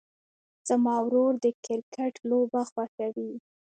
زما ورور د کرکټ لوبه خوښوي.